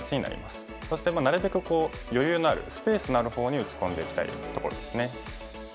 そしてなるべく余裕のあるスペースのある方に打ち込んでいきたいところですね。